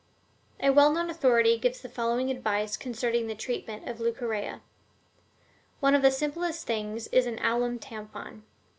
A well known authority gives the following advice concerning treatment of Leucorrhea: "One of the simplest things is an alum tampon.